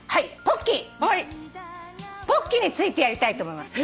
ポッキーについてやりたいと思います。